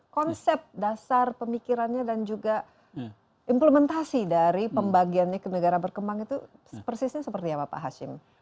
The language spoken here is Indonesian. konsep dasar pemikirannya dan juga implementasi dari pembagiannya ke negara berkembang itu persisnya seperti apa pak hashim